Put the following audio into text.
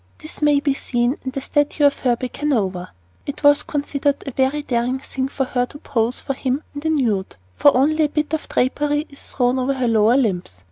This may be seen in the statue of her by Canova. It was considered a very daring thing for her to pose for him in the nude, for only a bit of drapery is thrown over her lower limbs.